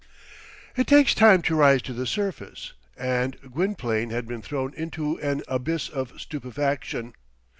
It takes time to rise to the surface. And Gwynplaine had been thrown into an abyss of stupefaction.